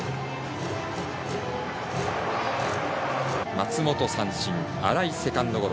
松本、三振、新井、セカンドゴロ。